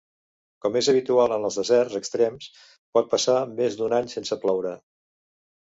Com és habitual en els deserts extrems pot passar més d'un any sense ploure.